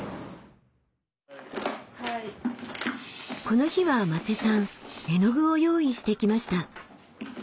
この日は馬瀬さん絵の具を用意してきました。